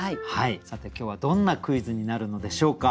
さて今日はどんなクイズになるのでしょうか。